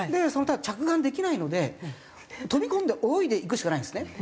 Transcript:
その着岸できないので飛び込んで泳いでいくしかないんですね。